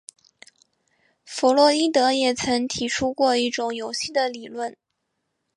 弗洛伊德也曾提出过一种游戏的理论。